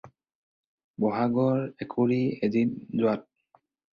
বহাগৰ একুৰি এদিন যোৱাত।